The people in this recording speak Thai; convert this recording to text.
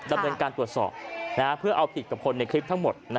ดำเนินการตรวจสอบเพื่อเอาผิดกับคนในคลิปทั้งหมด